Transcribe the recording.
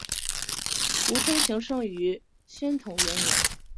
吴春晴生于宣统元年。